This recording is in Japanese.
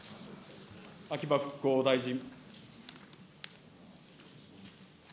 秋葉復興大臣。